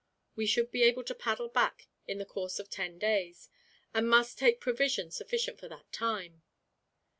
We should be able to paddle back in the course of ten days, and must take provisions sufficient for that time.